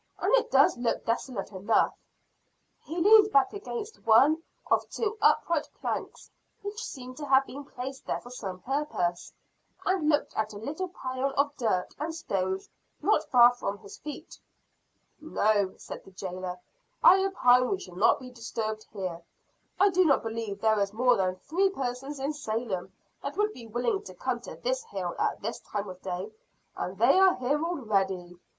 And it does look desolate enough." He leaned back against one of two upright planks which seemed to have been placed there for some purpose, and looked at a little pile of dirt and stones not far from his feet. "No," said the jailer. "I opine we shall not be disturbed here. I do not believe there is more than three persons in Salem that would be willing to come to this hill at this time of day, and they are here already."